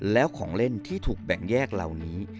แล้วของเล่นที่ถูกแบ่งแยกเหล่านี้